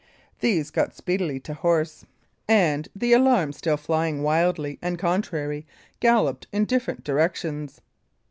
These got speedily to horse, and, the alarm still flying wild and contrary, galloped in different directions.